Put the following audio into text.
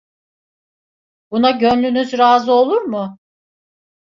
Buna gönlünüz razı olur mu?